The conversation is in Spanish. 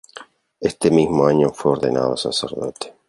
Este mismo año fue ordenado sacerdote.